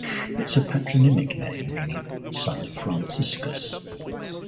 It is a patronymic name meaning "son of Franciscus".